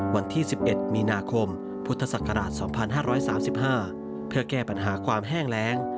วันที่๑๑มีนาคมพุทธศักราช๒๕๓๕เพื่อแก้ปัญหาความแห้งแรง